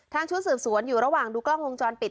ชุดสืบสวนอยู่ระหว่างดูกล้องวงจรปิด